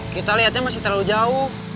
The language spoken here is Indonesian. kita lihatnya masih terlalu jauh